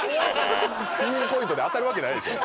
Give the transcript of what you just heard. ピンポイントで当たるわけないでしょう。